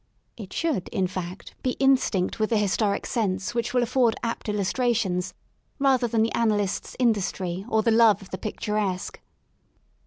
It should, in fact, be instinct with the Historic sense which will afford apt illustrations, rather than the annalist's industry, or the love of the picturesque.